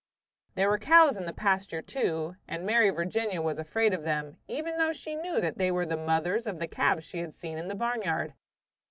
There were cows in this pasture, too, and Mary Virginia was afraid of them, even though she knew that they were the mothers of the calves she had seen in the barnyard.